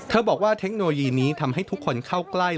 บอกว่าเทคโนโลยีนี้ทำให้ทุกคนเข้าใกล้